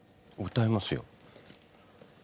歌います。